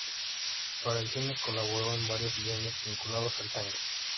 Para el cine colaboró en varios guiones vinculados al tango.